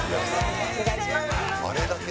お願いします。